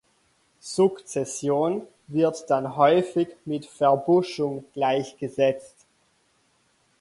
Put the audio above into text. Sukzession wird dann häufig mit Verbuschung gleichgesetzt.